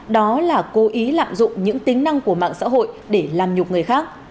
đó là cố ý lạm dụng những tính năng của mạng xã hội để làm nhục người khác